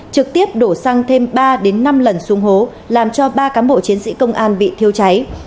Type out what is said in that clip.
trực tiếp đổ xăng thêm ba năm lần xuống hố làm cho ba cán bộ chiến sĩ công an bị thiêu cháy